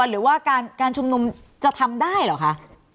หรือว่าการชุมนุมจะทำได้เหรอคะ